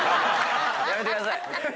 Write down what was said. やめてください。